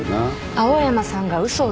青山さんが嘘を？